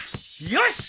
よし！